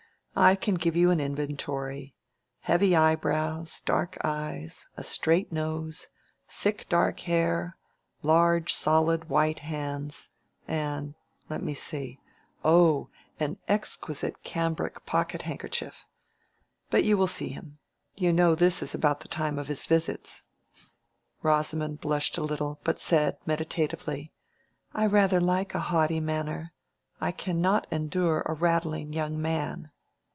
I can give you an inventory: heavy eyebrows, dark eyes, a straight nose, thick dark hair, large solid white hands—and—let me see—oh, an exquisite cambric pocket handkerchief. But you will see him. You know this is about the time of his visits." Rosamond blushed a little, but said, meditatively, "I rather like a haughty manner. I cannot endure a rattling young man."